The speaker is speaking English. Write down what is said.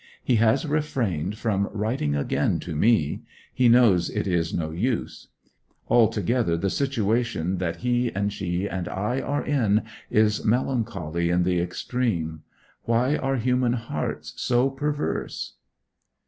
He has refrained from writing again to me he knows it is no use. Altogether the situation that he and she and I are in is melancholy in the extreme. Why are human hearts so perverse?